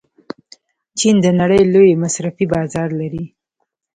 چین د نړۍ لوی مصرفي بازار لري.